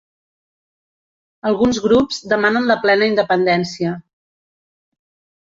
Alguns grups demanen la plena independència.